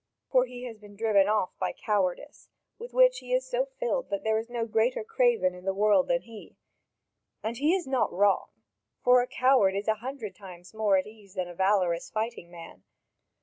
For he has been driven off by cowardice, with which he is so filled that there is no greater craven in the world than he. And he is not wrong, for a coward is a hundred times more at ease than a valorous fighting man.